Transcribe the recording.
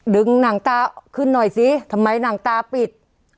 ดึงหนังตาขึ้นหน่อยสิทำไมหนังตาปิด